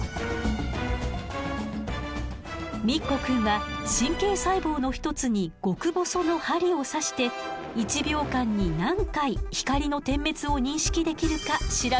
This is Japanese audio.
ミッコくんは神経細胞の一つに極細の針を刺して１秒間に何回光の点滅を認識できるか調べたのよ。